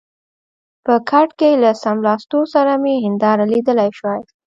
په کټ کې له څملاستو سره مې هنداره لیدلای شوای.